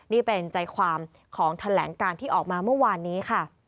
นี่เป็นใจความของแถลงการที่ออกมาเมื่อวานนี้ค่ะ